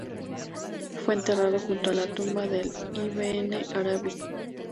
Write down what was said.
Fue enterrado junto a la tumba de Ibn Arabi.